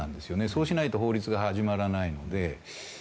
そうしないと法律が始まらないので。